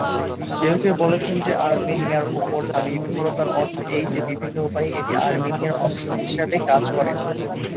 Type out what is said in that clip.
কেউ কেউ বলেছেন যে আর্মেনিয়ার উপর তার নির্ভরতার অর্থ এই যে, বিভিন্ন উপায়ে এটি আর্মেনিয়ার অংশ হিসাবে কাজ করে।